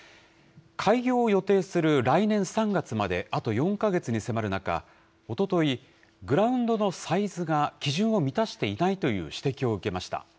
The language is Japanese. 開業を予定する来年３月まで、あと４か月に迫る中、おととい、グラウンドのサイズが基準を満たしていないという指摘を受けました。